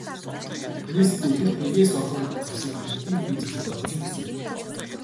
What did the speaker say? Нийслэлд өдөрт нэгээс олон зэвсэг иргэдийн эзэмшилд очсон гэсэн үг.